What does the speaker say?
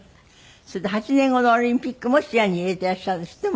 それで８年後のオリンピックも視野に入れていらっしゃるんですって？